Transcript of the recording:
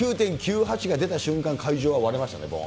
９．９８が出た瞬間、会場は割れましたね。